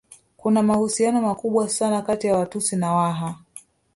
Kuna mahusiano makubwa sana kati ya Watusi na Waha